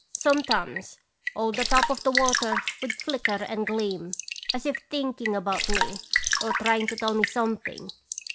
Sometimes all the top of the water would flicker and gleam, as if thinking about me or trying to tell me something.